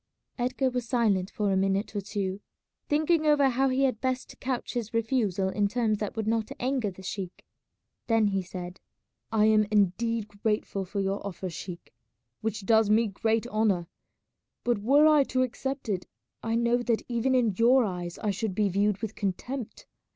Edgar was silent for a minute or two, thinking over how he had best couch his refusal in terms that would not anger the sheik. Then he said, "I am indeed grateful for your offer, sheik, which does me great honour, but were I to accept it I know that even in your eyes I should be viewed with contempt.